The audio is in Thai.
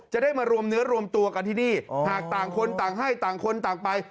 จะได้มารวมเนื้อรวมตัวกันที่นี่หากต่างคนต่างให้ต่างคนต่างไป